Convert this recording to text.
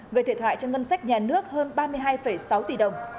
gây thiệt hại cho ngân sách nhà nước hơn ba mươi hai sáu tỷ đồng